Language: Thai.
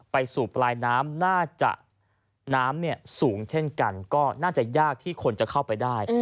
ไปสู่ปลายน้ำน่าจะน้ำสูงเช่นกันก็น่าจะยากที่คนจะเข้าไปได้